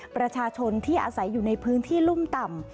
ประชาชนที่อาศัยอยู่ในพื้นที่รุ่มต่ำ